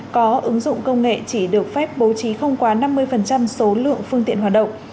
có ứng dụng công nghệ chỉ được phép bố trí không quá năm mươi số lượng phương tiện hoạt động